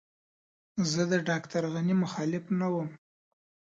زه د ډاکټر غني مخالف نه وم.